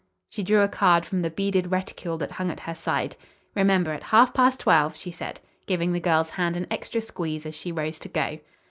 She drew a card from the beaded reticule that hung at her side. "Remember, at half past twelve," she said, giving the girl's hand an extra squeeze as she rose to go.